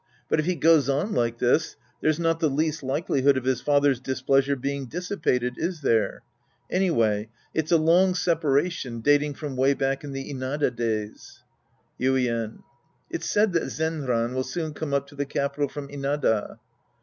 But if he goes on like this, there's not the least likelihood of his father's displeasure being dissipated, is there ? Anyway it's a long sepa ration dating from way back in the Inada days. Yuien. It's said that Zenran will soon come up to the capital from Inada.